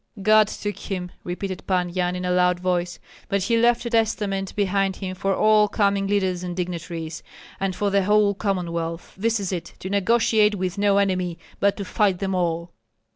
"God took him," repeated Pan Yan, in a loud voice; "but he left a testament behind him for all coming leaders and dignitaries and for the whole Commonwealth. This is it: to negotiate with no enemy, but to fight them all."